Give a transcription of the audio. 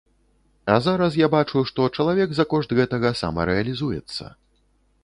А зараз я бачу, што чалавек за кошт гэтага самарэалізуецца.